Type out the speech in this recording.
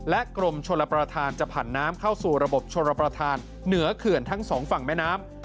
กรมชลประธานจะผ่านน้ำเข้าสู่ระบบชนประธานเหนือเขื่อนทั้งสองฝั่งแม่น้ำ